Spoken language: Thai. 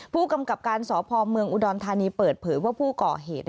ผู้กำกับการสพเมืองอุดรธานีเปิดเผยว่าผู้ก่อเหตุ